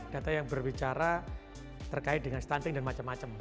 data yang berbicara terkait dengan stunting dan macam macam